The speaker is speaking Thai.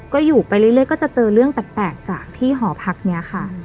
ก็อยู่ไปเรื่อยก็จะเจอเรื่องแปลกจากที่หอพักนี้ค่ะ